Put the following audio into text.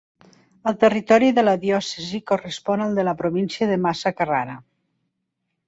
El territori de la diòcesi correspon al de la província de Massa-Carrara.